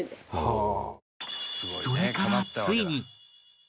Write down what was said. それからついに